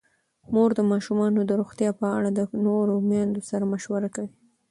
مور د ماشومانو د روغتیا په اړه د نورو میندو سره مشوره کوي.